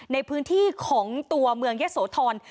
ในพื้นที่ของตัวเมืองยะโสธร